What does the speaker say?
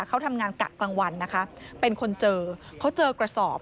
เขาทำงานกะกลางวันนะคะเป็นคนเจอเขาเจอกระสอบ